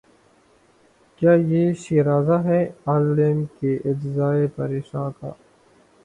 کہ یہ شیرازہ ہے عالم کے اجزائے پریشاں کا